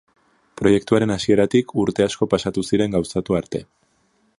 Proiektuaren hasieratik urte asko pasatu ziren gauzatu arte.